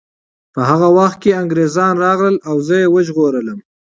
په هغه وخت کې انګریزان راغلل او زه یې وژغورلم